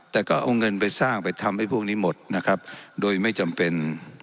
แต่ก็เอาเงินไปสร้างไปทำให้พวกนี้หมดนะครับโดยไม่จำเป็น